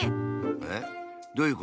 えっどういうこと？